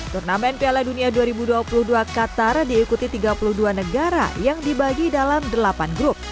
turnamen piala dunia dua ribu dua puluh dua qatar diikuti tiga puluh dua negara yang dibagi dalam delapan grup